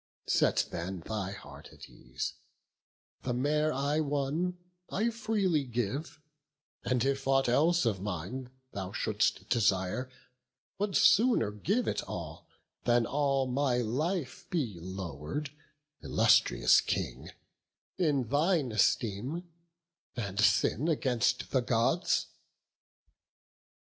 Set then thy heart at ease; the mare I won I freely give; and if aught else of mine Thou shouldst desire, would sooner give it all, Than all my life be low'r'd, illustrious King, In thine esteem, and sin against the Gods."